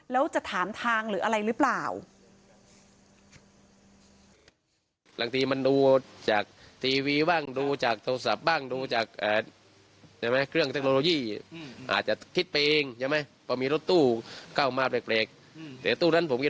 แล้วจะถามทางหรืออะไรหรือเปล่า